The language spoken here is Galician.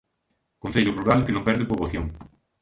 Concello rural que non perde poboación.